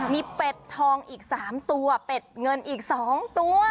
มีเป็ดทองอีก๓ตัวเป็ดเงินอีก๒ตัว